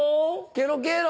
ケロケロ。